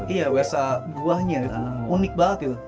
iya rasa buahnya unik banget itu